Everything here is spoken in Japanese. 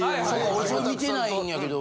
俺それ見てないんやけど。